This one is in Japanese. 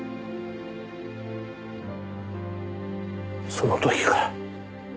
その時から。